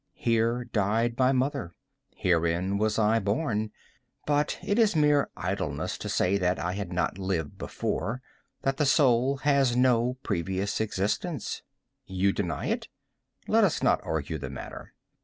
Here died my mother. Herein was I born. But it is mere idleness to say that I had not lived before—that the soul has no previous existence. You deny it?—let us not argue the matter.